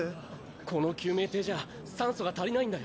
この救命艇じゃ酸素が足りないんだよ。